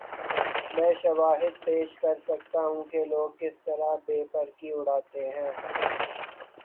میں شواہد پیش کر سکتا ہوں کہ لوگ کس طرح بے پر کی اڑاتے ہیں۔